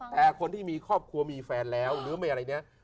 แต่คนที่มีครอบครัวมีแฟนแล้วหรือไม่อะไรเนี่ย